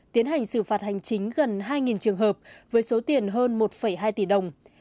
tiến hành xử phạt hành chính gần hai trường hợp với số tiền hơn một hai tỷ đồng